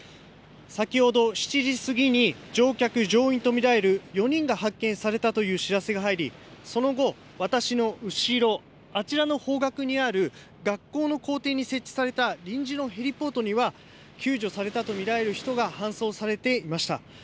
先ほど７時過ぎに、乗客・乗員と見られる４人が発見されたという知らせが入り、その後、私の後ろ、あちらの方角にある学校の校庭に設置された臨時のヘリポートには、救助されたと見られる人が搬送されていました。